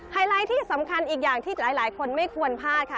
ไลท์ที่สำคัญอีกอย่างที่หลายคนไม่ควรพลาดค่ะ